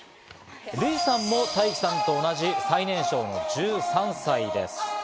ルイさんもタイキさんと同じ最年少の１３歳です。